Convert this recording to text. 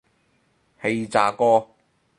氣炸鍋